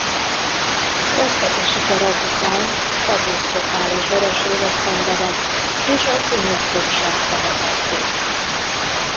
Kezdeti sikerek után katasztrofális vereséget szenvedett és a kunok fogságba vetették.